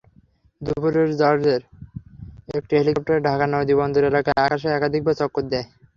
দুপুরে র্যাবের একটি হেলিকপ্টারও ঢাকা নদীবন্দর এলাকার আকাশে একাধিকবার চক্কর দেয়।